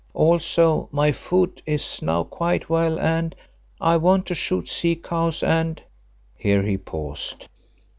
Also my foot is now quite well and—I want to shoot sea cows, and——" Here he paused.